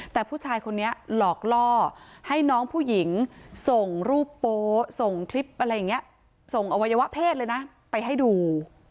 แต่ผู้ชายคนนี้หลอกล่อให้น้องผู้หญิงส่งรูปโป๊ส่งคลิปอะไรอย่างนี้ส่งอวัยวะเพศเลยนะไปให้ดู